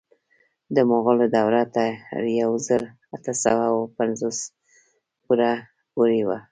د مغولو دوره تر یو زر اته سوه اوه پنځوس پورې وه.